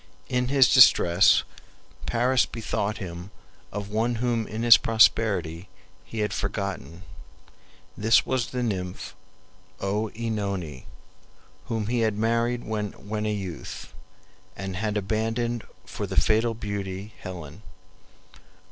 In his distress Paris bethought him of one whom in his prosperity he had forgotten. This was the nymph OEnone, whom he had married when a youth, and had abandoned for the fatal beauty Helen.